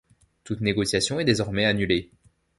Toute négociation est désormais annulée.